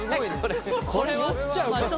これは。